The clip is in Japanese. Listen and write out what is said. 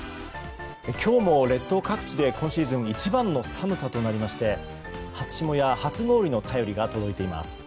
今日も列島各地で今シーズン一番の寒さとなりまして初霜や初氷の便りが届いています。